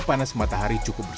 masakannya harus asing